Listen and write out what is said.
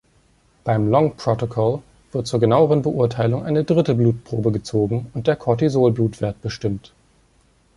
Beim Long-Protocol wird zur genaueren Beurteilung eine dritte Blutprobe gezogen und der Cortisol-Blutwert bestimmt.